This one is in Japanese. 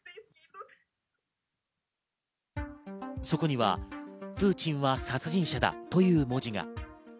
そこには「プーチンは殺人者だ」という文字が。